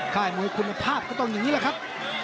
ค่ายมวยคุณภาพก็ต้องอย่างนี้แหละครับ